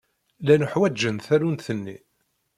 Llan ḥwaǧen tallunt-nni.